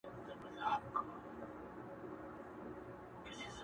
د هجرت غوټه تړمه روانېږم.